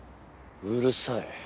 うるさい。